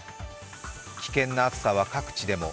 危険な暑さは各地でも。